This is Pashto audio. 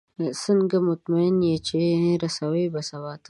څنګه مطمئنه یې چې رسو به سباته؟